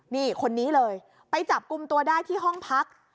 นี่คนนี้เลยไปจับกลุ่มตัวได้ที่ห้องพัก